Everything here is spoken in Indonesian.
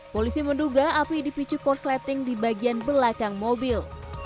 polisi menduga api dipicu korsleting di bagian belakang mobil